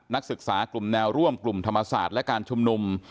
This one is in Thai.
นักศึกษากลุ่มแนวร่วมกลุ่มธรรมศาสตร์และการชุมนุม